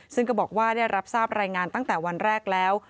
ซึ่งก็บอกว่าได้รับทราบรายงานตั้งแต่วันแรกแล้ว